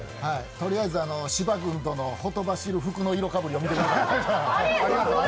とりあえず芝君とのほとばしる服の色かぶりを見てください。